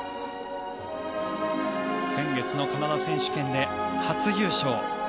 先月のカナダ選手権で初優勝。